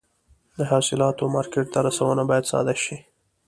د حاصلاتو مارکېټ ته رسونه باید ساده شي.